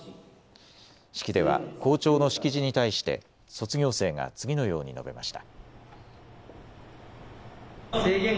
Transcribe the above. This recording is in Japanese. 式では校長の式辞に対して卒業生が次のように述べました。